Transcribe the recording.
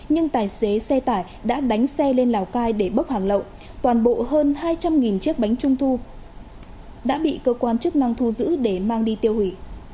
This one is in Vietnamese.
nhưng tài xế xe tải đã đánh xe lên lào cai để bốc hàng lậu toàn bộ hơn hai trăm linh chiếc bánh trung thu đã bị cơ quan chức năng thu giữ để mang đi tiêu hủy